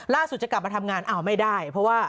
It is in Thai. จะกลับมาทำงานอ้าวไม่ได้เพราะว่า